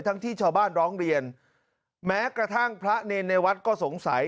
ที่ชาวบ้านร้องเรียนแม้กระทั่งพระเนรในวัดก็สงสัย